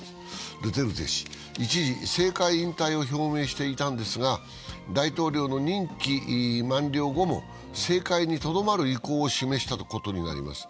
ドゥテルテ氏、一時、政界引退を表明していたんですが、大統領の任期満了後も政界にとどまる意向を示したことになります。